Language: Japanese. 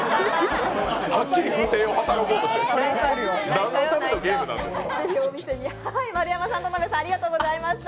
はっきり不正を働こうとして、何のためのゲームなのよ。